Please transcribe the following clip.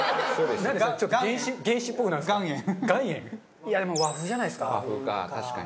でも和風じゃないですか？